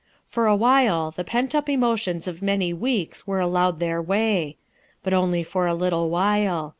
For a while the pent up emotions of many weeks were allowed their way. But only for a little while.